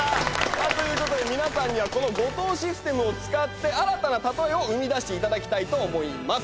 さあということで皆さんにはこの後藤システムを使って新たなたとえを生み出していただきたいと思います。